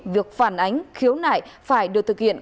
việc phản ánh khiếu nại phải được thực hiện